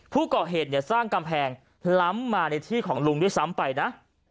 ผู้ก่อเหตุเนี่ยสร้างกำแพงล้ำมาในที่ของลุงด้วยซ้ำไปนะ